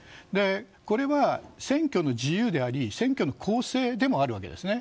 これは選挙の自由であり選挙の公正でもあるわけですね。